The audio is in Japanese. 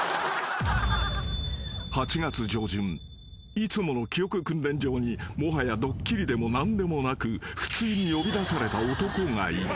［いつもの記憶訓練場にもはやドッキリでも何でもなく普通に呼び出された男がいた］